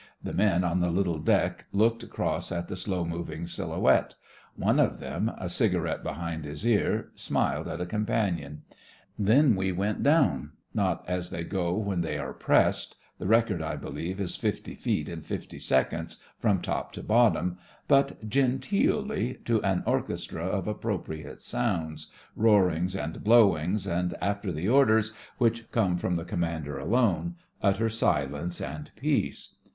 The men on the little deck looked across at the slow moving silhouette. One of them, a cigarette behind his ear, smiled at a companion. Then we went down — not as they go when they are pressed (the record, I believe, is 50 feet in 50 seconds from top to bottom), but genteelly, to an orchestra of appropriate sounds, roarings, and blowings, and after the orders, which come from the commander alone, utter silence and peace.